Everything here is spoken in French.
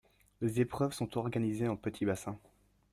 Les épreuves sont organisées en petit bassin.